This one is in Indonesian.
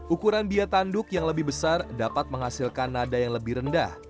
ukuran biaya tanduk yang lebih besar dapat menghasilkan nada yang lebih rendah